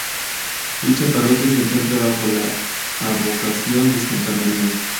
Dicha parroquia se encuentra bajo la advocación de Santa María.